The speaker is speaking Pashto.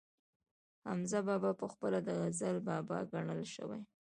حمزه بابا پخپله د غزل بابا ګڼلی شو